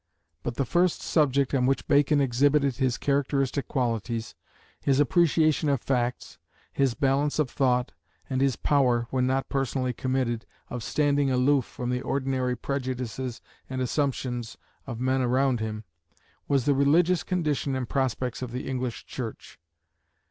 But the first subject on which Bacon exhibited his characteristic qualities, his appreciation of facts, his balance of thought, and his power, when not personally committed, of standing aloof from the ordinary prejudices and assumptions of men round him, was the religious condition and prospects of the English Church.